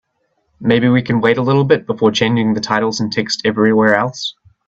Maybe we can wait a little bit before changing the titles and the text everywhere else?